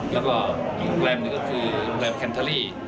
แล้วก็กลุ่มแรมนี้ก็คือกลุ่มแรมแคนทาลี